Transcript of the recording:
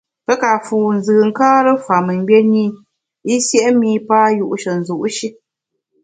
Pe ka fu nzùnkare fa mengbié ne i, i siét mi pa yu’she nzu’ shi.